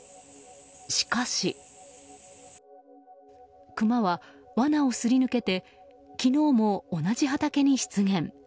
しかしクマは罠をすり抜けて昨日も同じ畑に出現。